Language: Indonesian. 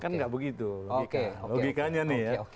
kan nggak begitu logikanya nih ya